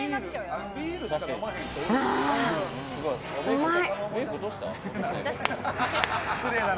うまい！